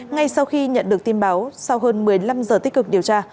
ngay sau khi nhận được tin báo sau hơn một mươi năm giờ tích cực điều tra